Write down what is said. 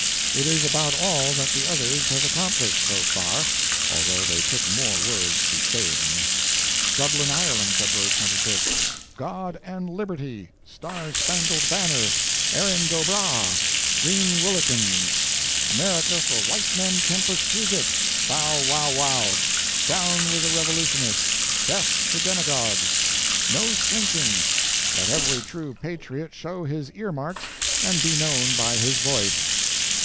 It is about all that the others have accomplished, so far, although they took more words to say it in. Dublin, Ireland, Feb. 25. God and Liberty! Star Spangled Banner! Erin go Bragh! Greenwhillikins! America for white men Tempus fugit! Bow wow wow! Down with the revolutionists! Death to demagogues! No slinking! Let every true patriot show his ear marks and be known by his voice!